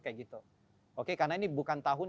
kayak gitu oke karena ini bukan tahun